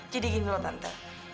jadi gini loh tante